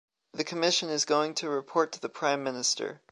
The commission is going to report to the prime minister.